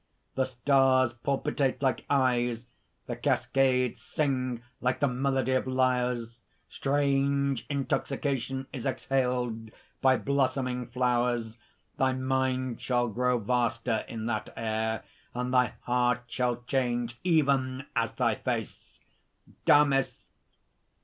The stars palpitate like eyes; the cascades sing like the melody of lyres; strange intoxication is exhaled by blossoming flowers; thy mind shall grow vaster in that air; and thy heart shall change even as thy face." DAMIS.